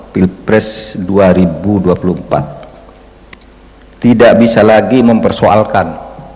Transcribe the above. pilpres dua ribu dua puluh empat tidak bisa lagi mempersoalkan